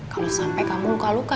kalau sampai kamu luka luka